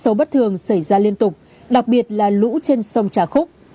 sâu bất thường xảy ra liên tục đặc biệt là lũ trên sông trà khúc